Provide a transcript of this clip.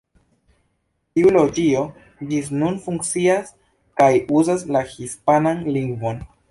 Tiu loĝio ĝis nun funkcias kaj uzas la hispanan lingvon.